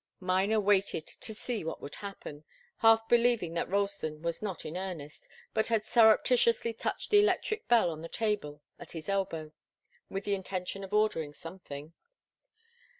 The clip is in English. Miner waited to see what would happen, half believing that Ralston was not in earnest, but had surreptitiously touched the electric bell on the table at his elbow, with the intention of ordering something.